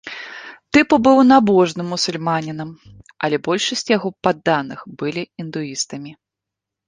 Тыпу быў набожным мусульманінам, але большасць яго падданых былі індуістамі.